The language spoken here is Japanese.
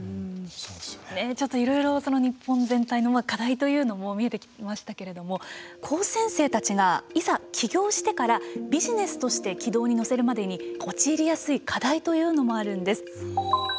ちょっと、いろいろ日本全体の課題というのも見えてきましたけれども高専生たちが、いざ起業してからビジネスとして軌道に乗せるまでに陥りやすい課題というのもあるんです。